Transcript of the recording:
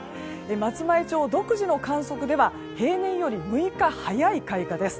松前町独自の観測では平年より６日早い開花です。